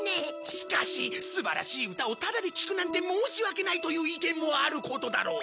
しかし素晴らしい歌をタダで聞くなんて申し訳ないという意見もあることだろう。